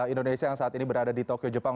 indonesia yang saat ini berada di tokyo jepang